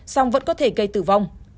xong vẫn có thể gây tử vong